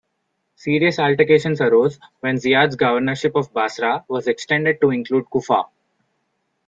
Serious altercations arose when Ziyad's governorship of Basra was extended to include Kufa.